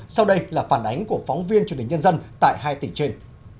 sau đây là phản ánh của phóng viên truyền hình nhân dân tại hai tỉnh trên